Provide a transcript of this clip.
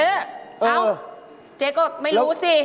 เอ้าเจ๊ก็ไม่รู้สิ